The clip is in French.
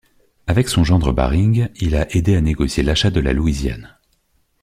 Avec son gendre Baring, il a aidé à négocier l'achat de la Louisiane.